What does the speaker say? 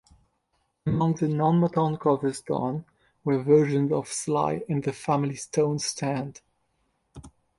Among the non-Motown covers done were versions of Sly and the Family Stone's Stand!